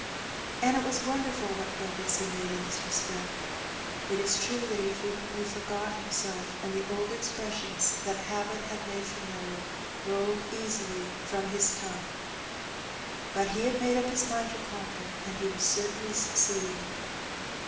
And it was wonderful what progress he made in this respect. It is true that he frequently forgot himself, and the old ex pressions that habit had made familiar rolled easily from 158 Heb Benny. his tongue. But he had made up his mind to conquer^ and he was certainly succeeding.